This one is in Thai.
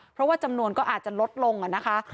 เพราะว่าจำนวนก็อาจจะลดลงนะคะ